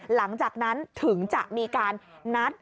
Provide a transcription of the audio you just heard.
หลังจากนั้นถึงจะมีการนัด